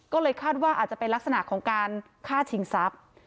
ก็เลยคาดว่าอาจจะเป็นลักษณะของการฆ่าชิงทรัพย์